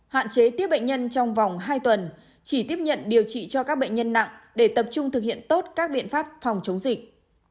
hạn chế tiếp bệnh nhân trong vòng hai tuần chỉ tiếp nhận điều trị cho các bệnh nhân nặng để tập trung thực hiện tốt các biện pháp phòng chống dịch